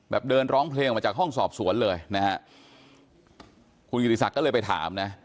เดินร้องเพลงออกมาจากห้องสอบสวนเลยนะฮะคุณกิติศักดิ์ก็เลยไปถามนะ